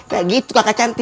kayak gitu kakak cantik